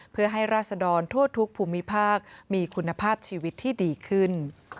เพื่อให้ราศดรทั่วทุกภูมิภาคมีคุณภาพชีวิตที่ดีขึ้น